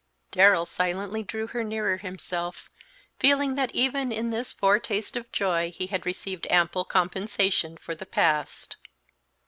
'" Darrell silently drew her nearer himself, feeling that even in this foretaste of joy he had received ample compensation for the past.